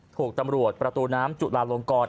ถูกตำรวจประตูน้ำจุลาลงกร